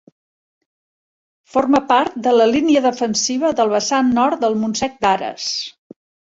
Forma part de la línia defensiva del vessant nord del Montsec d'Ares.